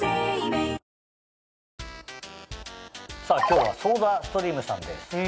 さぁ今日はソーダストリームさんです。